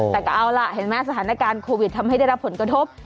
แต่ก็เอาล่ะเห็นไหมสถานการณ์โควิดทำให้ได้รับผลกระทบ